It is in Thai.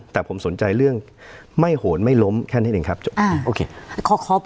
แต่ผมสนใจเรื่องไม่โหนไม่ล้มแค่นี้เองครับโอเค